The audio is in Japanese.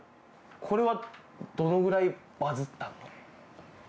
これは、どのぐらいバズったの？